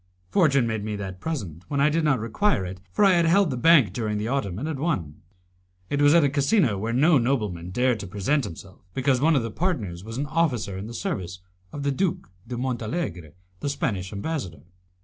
Fortune made me that present when I did not require it, for I had held the bank during the autumn, and had won. It was at a casino where no nobleman dared to present himself, because one of the partners was an officer in the service of the Duke de Montalegre, the Spanish Ambassador.